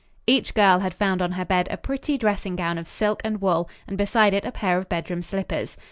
Each girl had found on her bed a pretty dressing gown of silk and wool and beside it a pair of bedroom slippers.